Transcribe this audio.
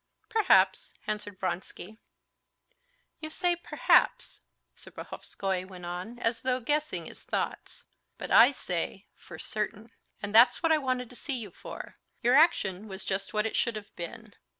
"Perhaps," answered Vronsky. "You say perhaps," Serpuhovskoy went on, as though guessing his thoughts, "but I say for certain. And that's what I wanted to see you for. Your action was just what it should have been.